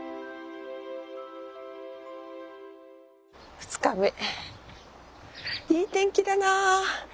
２日目いい天気だな！